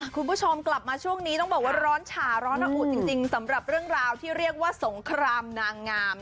คุณผู้ชมกลับมาช่วงนี้ต้องบอกว่าร้อนฉาร้อนระอุจริงสำหรับเรื่องราวที่เรียกว่าสงครามนางงาม